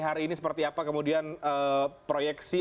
hari ini seperti apa kemudian proyeksi